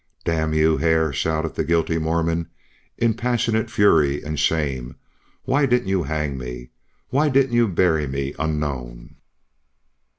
"D n you, Hare!" shouted the guilty Mormon, in passionate fury and shame. "Why didn't you hang me? Why didn't you bury me unknown?"